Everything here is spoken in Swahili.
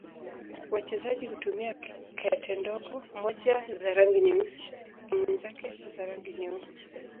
Wachezaji hutumia kete ndogo, mmoja za rangi nyeusi na mwenzake za rangi nyeupe.